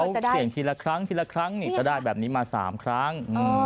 เขาเสี่ยงทีละครั้งทีละครั้งนี่จะได้แบบนี้มา๓ครั้ง